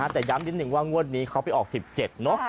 แต่ย้ำนิดนึงว่างวดนี้เขาไปออก๑๗เนอะ